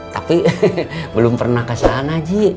tapi belum pernah kesana ji